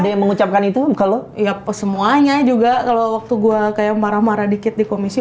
ada yang mengucapkan itu kalau ya semuanya juga kalau waktu gue kayak marah marah dikit di komisi